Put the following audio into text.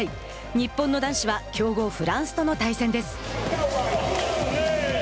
日本の男子は強豪フランスとの対戦です。